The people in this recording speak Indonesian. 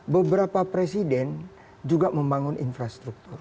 beberapa presiden juga membangun infrastruktur